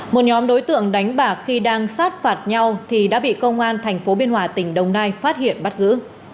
một nhóm đối tượng đánh bạc khi đang sát phạt nhau thì đã bị công an thành phố biên hòa tỉnh đồng nai phát hiện bắt giữ